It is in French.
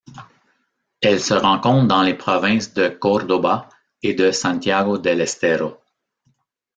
Elle se rencontre dans les provinces de Córdoba et de Santiago del Estero.